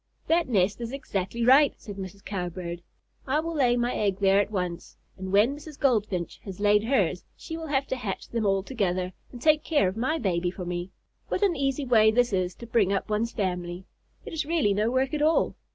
"That nest is exactly right," said Mrs. Cowbird. "I will lay my egg there at once, and when Mrs. Goldfinch has laid hers she will have to hatch them all together and take care of my baby for me. What an easy way this is to bring up one's family! It is really no work at all!